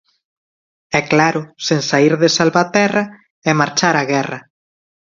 E claro, sen saír de Salvaterra e marchar á guerra.